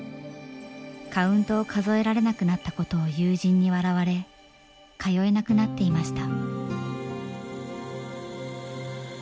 カウントを数えられなくなったことを友人に笑われ通えなくなっていました。